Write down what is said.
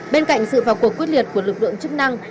bên cạnh sự vào cuộc quyết liệt của lực lượng chức năng